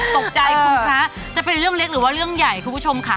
ตกใจคุณพระจะเป็นเรื่องเล็กหรือว่าเรื่องใหญ่คุณผู้ชมค่ะ